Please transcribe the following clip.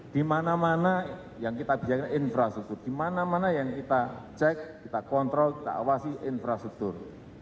di mana mana yang kita biarkan infrastruktur di mana mana yang kita cek kita kontrol kita awasi infrastruktur